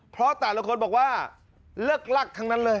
เพราะแต่ละคนบอกว่าเลิกลักทั้งนั้นเลย